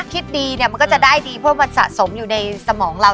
คิดดีเนี่ยมันก็จะได้ดีเพราะมันสะสมอยู่ในสมองเรา